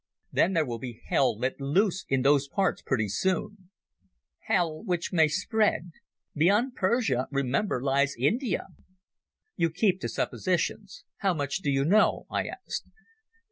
"Then there will be hell let loose in those parts pretty soon." "Hell which may spread. Beyond Persia, remember, lies India." "You keep to suppositions. How much do you know?" I asked.